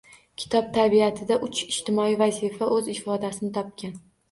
Kitob tabiatida uch ijtimoiy vazifa o‘z ifodasini topgan.